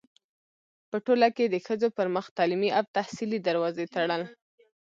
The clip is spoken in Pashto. پـه ټـولـه کـې د ښـځـو پـر مـخ تـعلـيمي او تحصـيلي دروازې تــړل.